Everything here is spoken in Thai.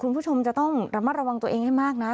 คุณผู้ชมจะต้องระมัดระวังตัวเองให้มากนะ